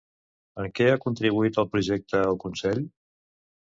En què ha contribuït al projecte el Consell?